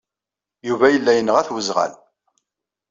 Yuba yella yenɣa-t weẓɣal.